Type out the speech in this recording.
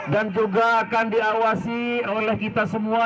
dan juga akan diawasi oleh kita semua